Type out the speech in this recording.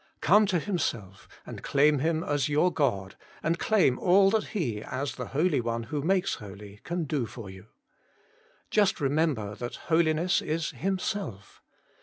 Come to Himself and claim Him as your God, and claim all that He, as the Holy One who makes holy, can do for you. Just remember that Holiness is Himself.